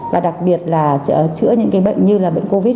và đặc biệt là chữa những bệnh như bệnh covid